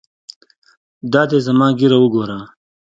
دا دى زما ږيره وګوره.